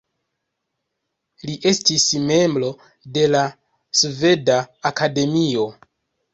Li estis membro de la Sveda Akademio.